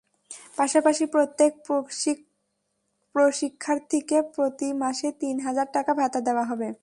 পাশাপাশি প্রত্যেক প্রশিক্ষণার্থীকে প্রতি মাসে তিন হাজার টাকা ভাতা দেওয়া হবে।